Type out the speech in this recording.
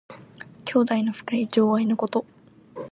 兄弟の深い情愛のこと。